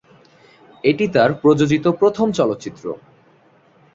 এটি তার প্রযোজিত প্রথম চলচ্চিত্র।